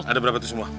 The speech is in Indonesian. ada berapa tuh semua